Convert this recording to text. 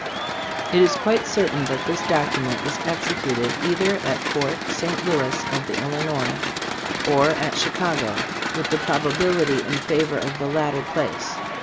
"It is quite certain that this document was executed either at Fort St. Louis of the Illinois or at Chicago, with the probability in favor of the latter place.